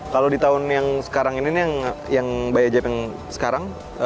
kalo di tahun yang sekarang ini nih yang bayajet yang sekarang